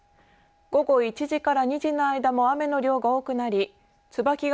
午後１時から２時の間も雨の量が多くなり椿ヶ